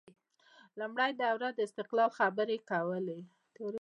لومړۍ دوره د استقلال خبرې کولې